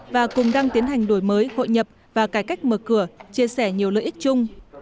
và cùng đang tiến hành đổi mới hội nhập và cải cách mở cửa chia sẻ nhiều lợi ích chung